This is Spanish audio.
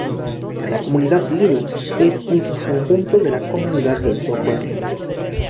La comunidad Linux es un subconjunto de la comunidad del software libre.